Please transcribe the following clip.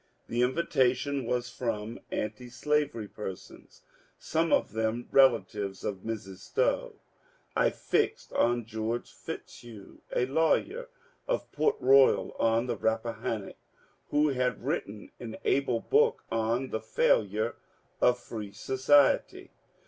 The invitation was from antislavery persons, some of them relatives of Mrs. Stowe. I fixed on George Fitzhugh, a lawyer of Port Royal, on the Rappahannock, who had written an able book on ^^ The Failure of Free Society."